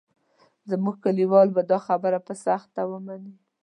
زموږ کلیوال به دا خبره په سخته ومني.